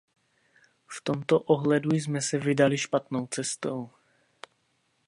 V tomto ohledu jsme se vydali špatnou cestou.